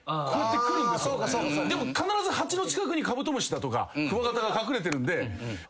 でも必ず蜂の近くにカブトムシだとかクワガタが隠れてるんで。